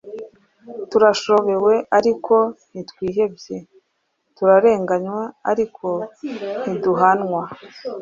turashobewe ariko ntitwihebye, turarenganywa ariko ntiduhanwa,